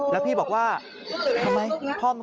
แล้วพี่บอกว่าทำไม